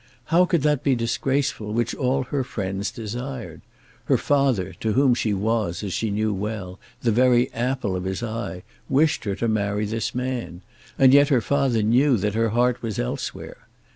How could that be disgraceful which all her friends desired? Her father, to whom she was, as she knew well, the very apple of his eye, wished her to marry this man; and yet her father knew that her heart was elsewhere.